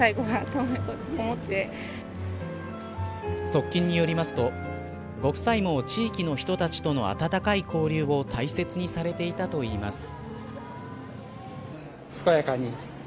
側近によりますとご夫妻も、地域の人たちとの温かい交流を大切にされていたといいます。